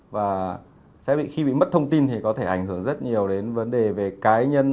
và khi bị mất thông tin thì có thể ảnh hưởng rất nhiều đến vấn đề về cá nhân